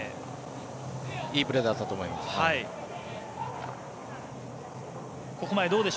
いいプレーだったと思います。